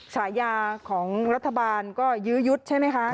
ฉายาของรัฐบาลก็ยื้อยุดใช่ไหมคะ